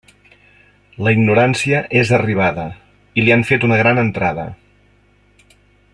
La ignorància és arribada, i li han fet una gran entrada.